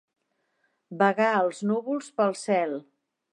Vagar els núvols pel cel.